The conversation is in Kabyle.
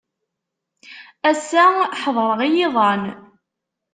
Ass-a ḥedṛeɣ i yiḍan.